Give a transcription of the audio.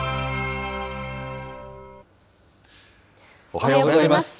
おはようございます。